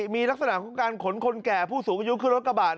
มีลักษณะของการขนคนแก่ผู้สูงอายุขึ้นรถกระบาด